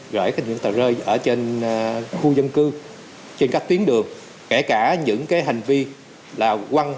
rễ những tà rơi ở trên khu dân cư trên các tuyến đường kể cả những hành vi là quăng